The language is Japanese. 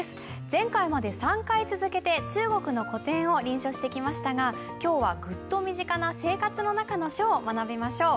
前回まで３回続けて中国の古典を臨書してきましたが今日はグッと身近な「生活の中の書」を学びましょう。